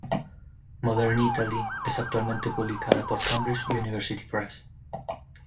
Modern Italy, es actualmente publicada por Cambridge University Press.